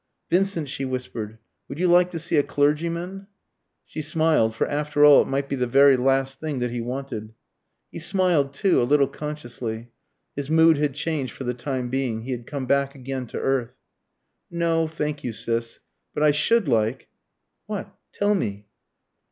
"Vincent," she whispered, "would you like to see a clergyman?" She smiled, for after all it might be the very last thing that he wanted. He smiled too, a little consciously. His mood had changed for the time being he had come back again to earth. "No; thank you, Sis. But I should like " "What? Tell me."